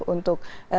untuk di dalam